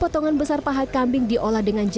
potongan besar pahat kambing diolah dengan jenis